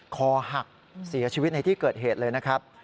คอหักเสียชีวิตในที่เกิดเหตุเลยนะครับ